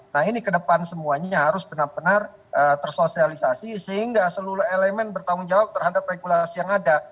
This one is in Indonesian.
nah ini kedepan semuanya harus benar benar tersosialisasi sehingga seluluh elemen bertanggungjawab terhadap regulasi yang ada